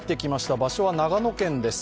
場所は長野県です。